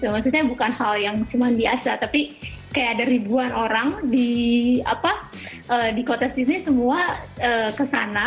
maksudnya bukan hal yang cuma biasa tapi kayak ada ribuan orang di kota sini semua kesana